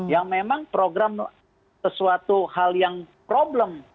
yang memang program sesuatu hal yang problem